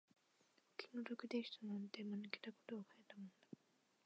お気の毒でしたなんて、間抜けたことを書いたもんだ